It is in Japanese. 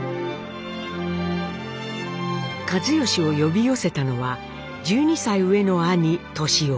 一嚴を呼び寄せたのは１２歳上の兄歳雄。